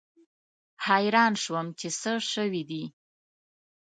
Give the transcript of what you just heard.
حیران شوم چې څه شوي دي.